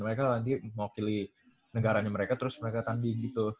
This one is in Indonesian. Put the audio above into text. mereka nanti mewakili negaranya mereka terus mereka tanding gitu